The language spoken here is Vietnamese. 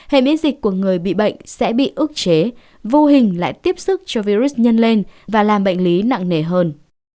hệ miễn dịch của người bị bệnh sẽ bị ức chế vô hình lại tiếp sức cho virus nhân lên và làm bệnh lý nặng nề hơn